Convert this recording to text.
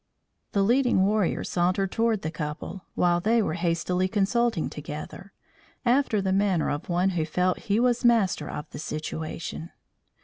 The leading warrior sauntered toward the couple, while they were hastily consulting together, after the manner of one who felt he was master of the situation.